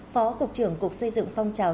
phó cục trưởng cục xây dựng phong trào